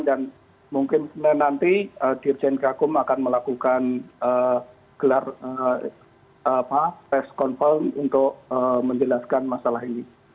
dan mungkin nanti dirjen kkum akan melakukan test confirm untuk menjelaskan masalah ini